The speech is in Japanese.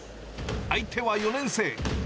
相手は４年生。